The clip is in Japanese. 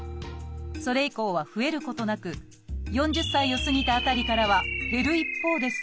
それ以降は増えることなく４０歳を過ぎた辺りからは減る一方です。